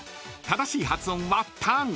［正しい発音は「タン」］